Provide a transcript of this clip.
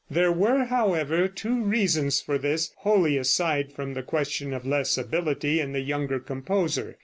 There were, however, two reasons for this, wholly aside from the question of less ability in the younger composer.